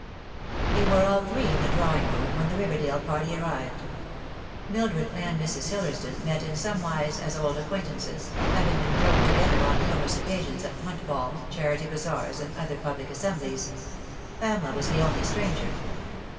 They were all three in the drawing room when the Riverdale party arrived. Mildred and Mrs. Hillersdon met in somewise as old acquaintances, having been thrown together on numerous occasions, at hunt balls, charity bazaars, and other public assemblies. Pamela was the only stranger.